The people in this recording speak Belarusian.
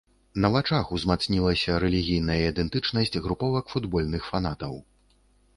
На вачах узмацнілася рэлігійная ідэнтычнасць груповак футбольных фанатаў.